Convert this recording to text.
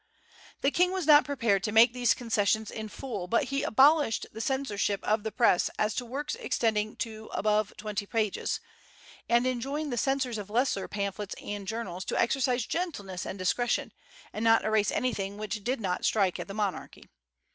The king was not prepared to make these concessions in full, but he abolished the censorship of the Press as to works extending to above twenty pages, and enjoined the censors of lesser pamphlets and journals to exercise gentleness and discretion, and not erase anything which did not strike at the monarchy.